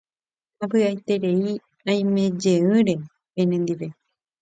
Avy'aiterei aimejeýre penendive.